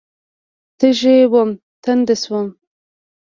تږې ومه، تنده شوم